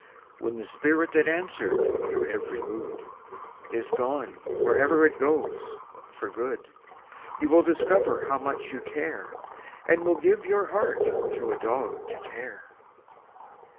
When the spirit that answered your every mood Is gone wherever it goes for good, You will discover how much you care, And will give your heart to a dog to tear!